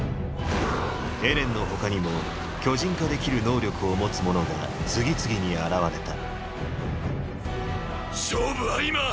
エレンの他にも巨人化できる能力を持つ者が次々に現れた勝負は今！！